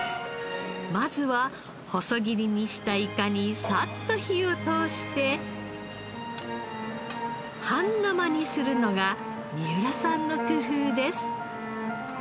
まずは細切りにしたイカにサッと火を通して半生にするのが三浦さんの工夫です。